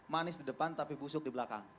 manis di depan tapi busuk di belakang